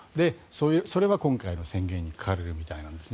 それが今回の宣言に書かれるみたいです。